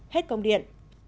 hết công điện